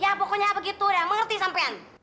ya pokoknya begitu udah mengerti sampean